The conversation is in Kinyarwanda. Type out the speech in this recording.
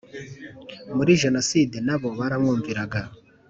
muri jenoside na bo baramwumviraga